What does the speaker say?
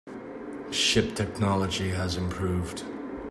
Ship technology has improved.